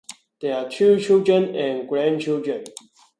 They have two children and grandchildren.